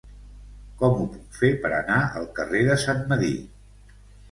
Com ho puc fer per anar al carrer de Sant Medir?